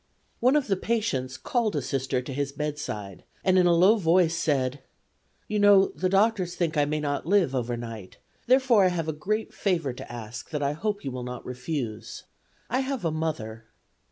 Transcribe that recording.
One of the patients called a Sister to his bedside and in a low voice said: "You know the doctors think I may not live over night, therefore I have a great favor to ask that I hope you will not refuse. I have a mother."